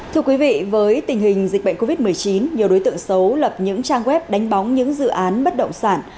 thưa quý vị với tình hình dịch bệnh covid một mươi chín nhiều đối tượng xấu lập những trang web đánh bóng những dự án bất động sản